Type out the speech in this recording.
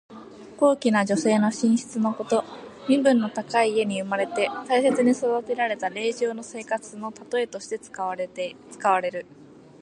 高貴な女性の寝室のこと。身分の高い家に生まれて大切に育てられた令嬢の生活のたとえとして使われる。